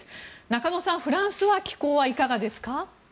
中野さん、フランスは気候はいかがですか？